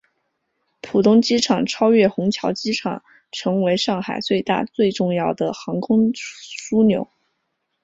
浦东机场超越虹桥机场成为上海最大最重要的航空枢纽。